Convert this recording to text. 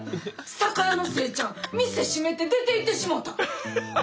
酒屋のせいちゃん店閉めて出ていってしもうた！